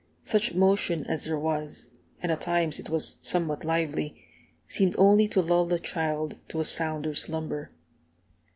Such motion as there was and at times it was somewhat lively seemed only to lull the child to a sounder slumber.